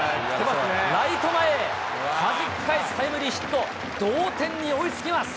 ライト前へはじき返すタイムリーヒット、同点に追いつきます。